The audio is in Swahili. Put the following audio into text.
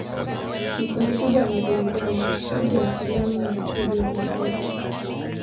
Ni kundi kubwa la burudani, studio ya filamu na studio ya rekodi.